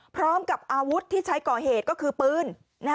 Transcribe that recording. พร้อมกับอาวุธที่ใช้ก่อเหตุก็คือปืน